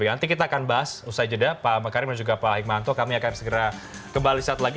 nanti kita akan bahas usai jeda pak makarim dan juga pak hikmanto kami akan segera kembali saat lagi